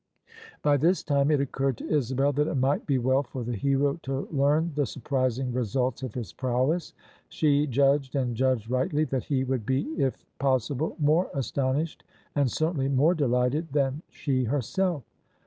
By this time it occurred to Isabel that it might be well for the hero to learn the surprising results of his prowess. She judged — and judged rightly — that he would be if possi ble more astonished, and certainly more delighted, than she herself.